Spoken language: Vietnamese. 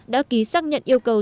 đã ký xác nhận yêu cầu